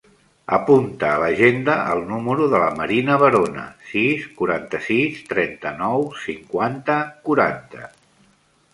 Apunta a l'agenda el número de la Marina Barona: sis, quaranta-sis, trenta-nou, cinquanta, quaranta.